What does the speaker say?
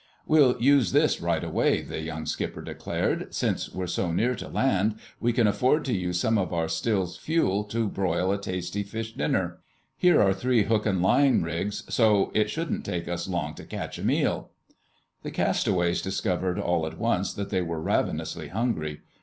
"We'll use this right away," the young skipper declared. "Since we're so near to land we can afford to use some of our still's fuel to broil a tasty fish dinner. Here are three hook and line rigs, so it shouldn't take us long to catch a meal." The castaways discovered all at once that they were ravenously hungry.